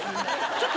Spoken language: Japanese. ちょっと！